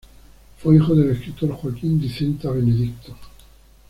Fue hijo del escritor Joaquín Dicenta Benedicto.